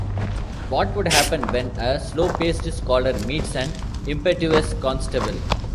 What would happen when a slow-paced scholar meets an impetuous constable?